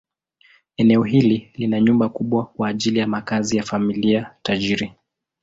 Eneo hili lina nyumba kubwa kwa ajili ya makazi ya familia tajiri.